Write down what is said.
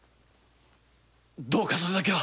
どうかそれだけは！